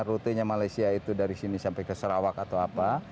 rutenya malaysia itu dari sini sampai ke sarawak atau apa